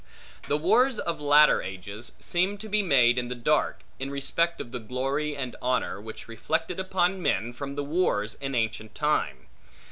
The wars of latter ages seem to be made in the dark, in respect of the glory, and honor, which reflected upon men from the wars, in ancient time.